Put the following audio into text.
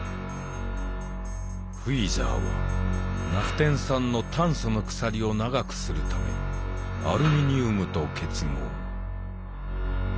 フィーザーはナフテン酸の炭素の鎖を長くするためアルミニウムと結合。